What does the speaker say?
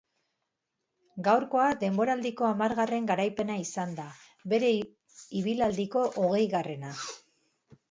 Gaurkoa denboraldiko hamargarren garaipena izan da, bere ibilaldiko hogeigarrena.